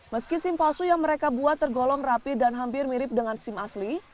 meski simpalsu yang mereka buat tergolong rapi dan hampir mirip dengan sim asli